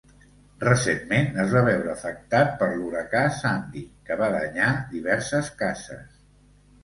Recentment es va veure afectat per l'huracà Sandy, que va danyar diverses cases.